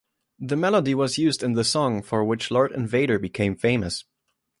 The melody was used in the song for which Lord Invader became famous.